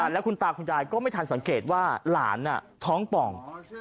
แล้วคุณตาคุณยายก็ไม่ทันสังเกตว่าหลานท้องป่อง